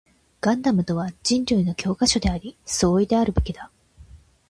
ガンダムとは人類の教科書であり、総意であるべきだ